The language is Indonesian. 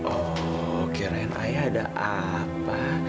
oh kirain ayah ada apa